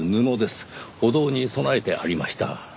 御堂に供えてありました。